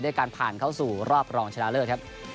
ได้การผ่านเข้าสู่รอบรองชนะเลิศ